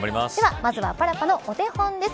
まずはパラッパのお手本です。